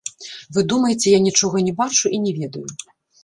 Вы думаеце, я нічога не бачу і не ведаю.